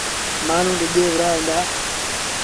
مآڻهوٚݩ ڊڄي وُهڙآ هُݩدآ۔